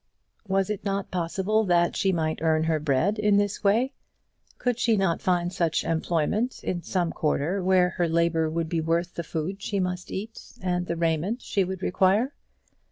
Was it not possible that she might earn her bread in this way? Could she not find such employment in some quarter where her labour would be worth the food she must eat and the raiment she would require?